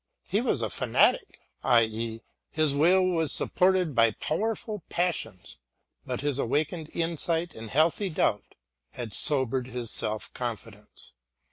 He was a fanatic, i.e. his will was supported by powerful passions, but his awakened insight and healthy doubt had sobered his self confidence.